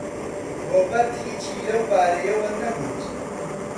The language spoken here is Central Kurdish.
ڕۆبەرت هیچی لەو بارەیەوە نەگوت.